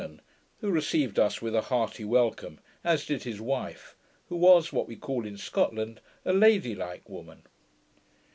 ] who received us with a hearty welcome, as did his wife, who was what we call in Scotland a LADY LIKE woman.